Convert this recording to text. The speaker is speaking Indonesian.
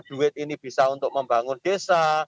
duit ini bisa untuk membangun desa